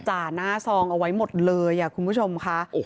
จ่าหน้าซองเอาไว้หมดเลยคุณผู้ชมค่ะ